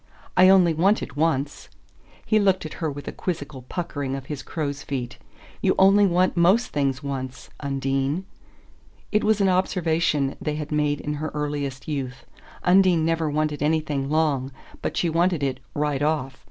"I only want it once." He looked at her with a quizzical puckering of his crows' feet. "You only want most things once. Undine." It was an observation they had made in her earliest youth Undine never wanted anything long, but she wanted it "right off."